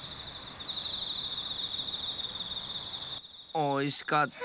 おいしかった！